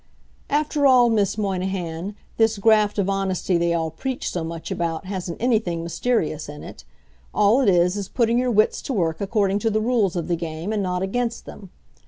After all, Miss Monahan, this graft of honesty they all preach so much about hasn't anything mysterious in it. All it is, is putting your wits to work according to the rules of the game and not against them.